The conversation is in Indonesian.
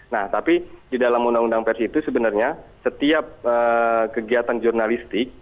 nah tapi di dalam undang undang pers itu sebenarnya setiap kegiatan jurnalistik